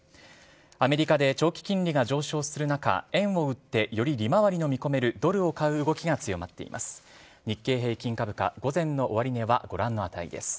アメリカで長期金利が上昇する中、円を売ってより利回りの見込めるドルを買う動きが強まっています。